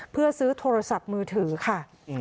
เพื่อซื้อโทรศัพท์มือถือค่ะ